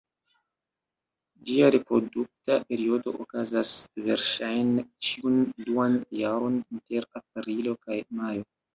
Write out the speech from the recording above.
Ĝia reprodukta periodo okazas verŝajne ĉiun duan jaron, inter aprilo kaj majo.